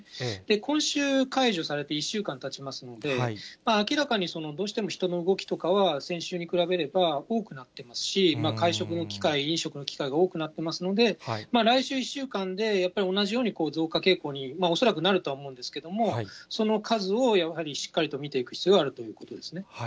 今週、解除されて１週間たちますので、明らかにどうしても人の動きとかは、先週に比べれば多くなっていますし、会食の機会、飲食の機会が多くなってますので、来週１週間で、やっぱり同じように増加傾向に、恐らくなるとは思うんですけども、その数を、やはりしっかりと見ていく必要があるということですね。